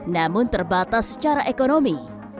namun terbatas secara ekonomi